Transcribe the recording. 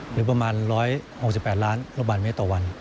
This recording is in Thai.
หรือประมาณ๑๖๘ล้านลูกบาทเมตรต่อวัน